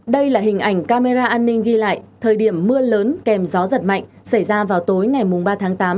đây là hình ảnh camera an ninh ghi lại thời điểm mưa lớn kèm gió giật mạnh xảy ra vào tối ngày ba tháng tám